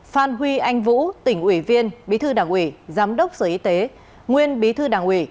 phan huy anh vũ tỉnh ủy viên bí thư đảng ủy giám đốc sở y tế nguyên bí thư đảng ủy